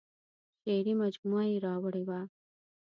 شعري مجموعه یې راوړې وه.